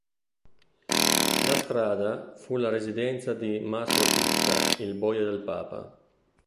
La strada fu la residenza di Mastro Titta, il boia del Papa.